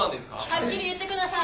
はっきり言ってください。